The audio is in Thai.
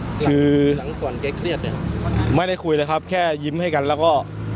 คือหลังก่อนแกเครียดเนี่ยไม่ได้คุยเลยครับแค่ยิ้มให้กันแล้วก็